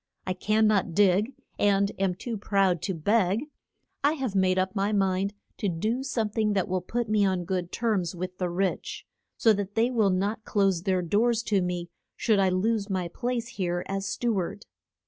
I can not dig, and am too proud to beg. I have made up my mind to do some thing that will put me on good terms with the rich, so that they will not close their doors to me should I lose my place here as stew ard.